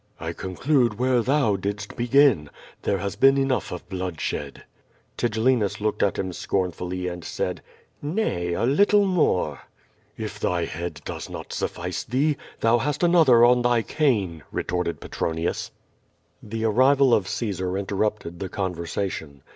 "I conclude where thou didst begin, there has been enough of bloodshed. Tigellinus looked at him scornfully, and said: "Nay, a lit tle more." "If thy head does not suffice thee, thou hast another on thy cane," retorted Petronius. The arrival of Caesar interrupted the conversation.